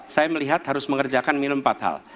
saya melihat harus mengerjakan minim empat hal